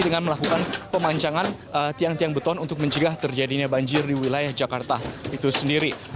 dengan melakukan pemancangan tiang tiang beton untuk mencegah terjadinya banjir di wilayah jakarta itu sendiri